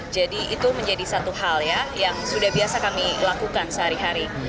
jadi itu menjadi satu hal yang sudah biasa kami lakukan sehari hari